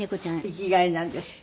生きがいなんですって？